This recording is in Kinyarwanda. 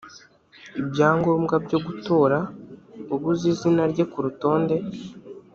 ibyangombwa byo gutora ubuze izina rye ku rutonde